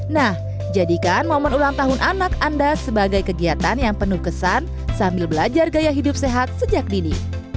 nah jadikan momen ulang tahun anak anda sebagai kegiatan yang penuh kesan sambil belajar gaya hidup sehat sejak dini